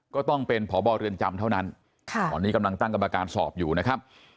ก็ต้องเป็นพบเรือนจำเท่านั้นตอนนี้กำลังตั้งกรรมการสอบอยู่นะครับ